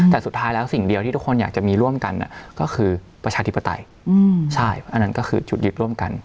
แต่สุดท้ายแล้วสิ่งเดียวที่ทุกคนอยากจะมีร่วมกันก็คือประชาธิปไตยใช่อันนั้นก็คือจุดยึดร่วมกัน